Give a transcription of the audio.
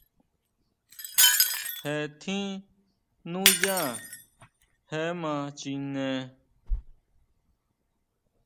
Jee tjín núyá, je ma chine.